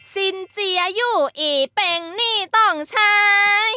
สินเจียอยู่อีเป็งนี่ต้องใช้